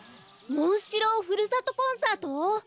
モンシローふるさとコンサート？